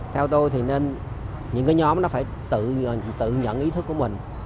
theo tôi thì nên những cái nhóm nó phải tự nhận ý thức của mình